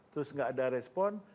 terus gak ada respon